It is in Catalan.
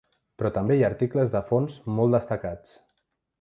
Però també hi ha articles de fons molt destacats.